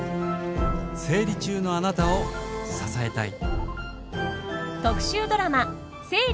「生理中のあなたを支えたい」。